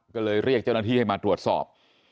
ก็เลยเรียกเจ้าหน้าที่ให้มาตรวจสอบ